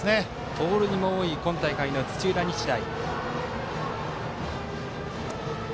盗塁も多い今大会の土浦日大。